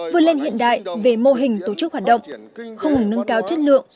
vươn lên hiện đại về mô hình tổ chức hoạt động không ngừng nâng cao chất lượng